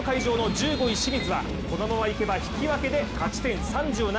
１５位清水は、このままいけば引き分けで勝ち点３７。